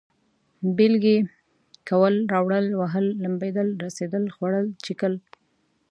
بېلگې: کول، راوړل، وهل، لمبېدل، رسېدل، خوړل، څښل